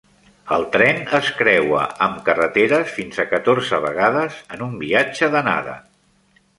El tren es creua amb carreteres fins a catorze vegades en un viatge d'anada.